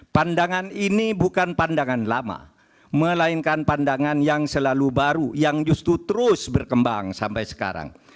pandangan ini bukan pandangan lama melainkan pandangan yang selalu baru yang justru terus berkembang sampai sekarang